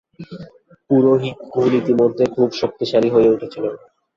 পুরোহিতকুল ইতোমধ্যেই খুব শক্তিশালী হয়ে উঠেছিল।